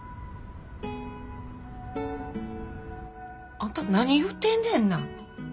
あんた何言うてんねんな。